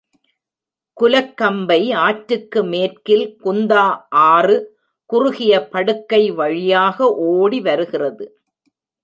குலக்கம்பை ஆற்றுக்கு மேற்கில் குந்தா ஆறு குறுகிய படுக்கை வழியாக ஓடி வருகிறது.